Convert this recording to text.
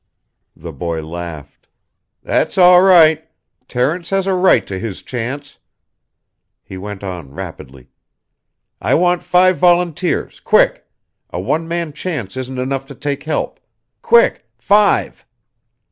The boy laughed. "That's all right. Terence has a right to his chance." He went on rapidly. "I want five volunteers quick. A one man chance isn't enough to take help. Quick five."